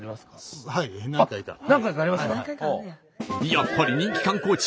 やっぱり人気観光地